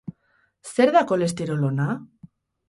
Zer da kolesterol ona?